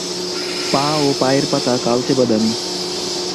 পা ও পায়ের পাতা কালচে বাদামি।